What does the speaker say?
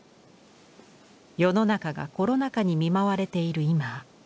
世の中がコロナ禍に見舞われている今。